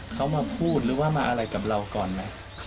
เขามาพูดหรือว่ามาอะไรกับเราก่อนไหม